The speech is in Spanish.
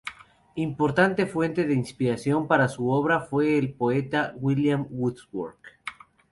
Importante fuente de inspiración para su obra fue el poeta William Wordsworth.